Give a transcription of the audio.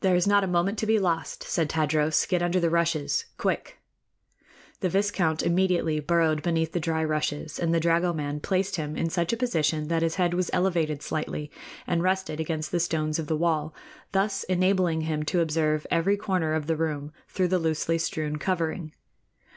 "There is not a moment to be lost," said Tadros. "Get under the rushes, quick!" The viscount immediately burrowed beneath the dry rushes, and the dragoman placed him in such a position that his head was elevated slightly and rested against the stones of the wall, thus enabling him to observe every corner of the room through the loosely strewn covering.